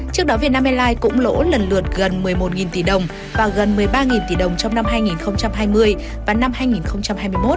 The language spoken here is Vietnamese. trước đó vietnam airlines cũng lỗ lần lượt gần một mươi một tỷ đồng và gần một mươi ba tỷ đồng trong năm hai nghìn hai mươi và năm hai nghìn hai mươi một